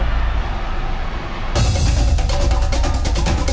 วิดีโอ